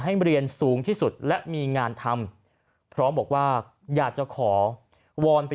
ให้เรียนสูงที่สุดและมีงานทำพร้อมบอกว่าอยากจะขอวอนไป